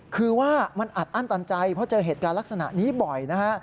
คือว่ามันอัดอั้นตันใจเพราะเจอเหตุการณ์ลักษณะนี้บ่อยนะฮะ